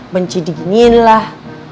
benci diginiin lah